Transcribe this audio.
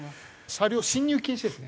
車両進入禁止ですね。